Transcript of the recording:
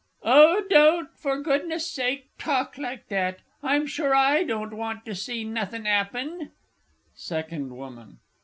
Oh, don't, for goodness' sake, talk like that I'm sure I don't want to see nothing 'appen. SECOND WOMAN.